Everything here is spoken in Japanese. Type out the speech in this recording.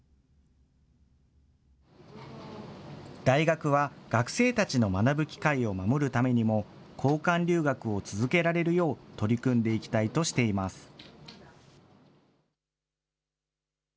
大学は、学生たちの学ぶ機会を守るためにも、交換留学を続けられるよう取り組んでいきたいとしています。